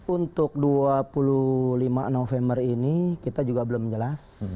untuk dua puluh lima november ini kita juga belum jelas